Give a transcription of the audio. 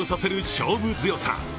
勝負強さ。